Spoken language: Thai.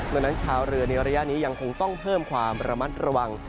ดังนั้นชาวเรือในระยะนี้ยังคงต้องเพิ่มความระมัดระวัง